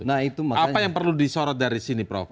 apa yang perlu disorot dari sini prof